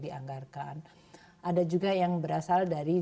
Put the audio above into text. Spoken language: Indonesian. dianggarkan ada juga yang berasal dari